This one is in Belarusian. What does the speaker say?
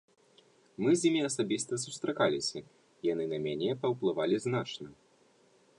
Мы з імі асабіста сустракаліся, яны на мяне паўплывалі значна.